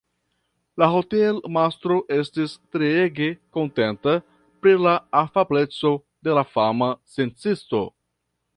La hotelmastro estis treege kontenta pri la afableco de la fama sciencisto.